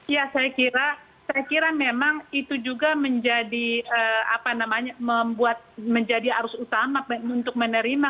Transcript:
ya saya kira memang itu juga menjadi arus utama untuk menerima